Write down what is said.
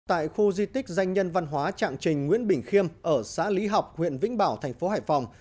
tại khu di tích danh nhân văn hóa trạng trình nguyễn bình khiêm ở xã lý học huyện vĩnh bảo thành phố hải phòng